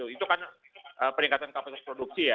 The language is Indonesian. itu kan peningkatan kapasitas produksi ya